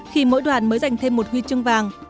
khi mỗi đoàn mới giành thêm một huy chương vàng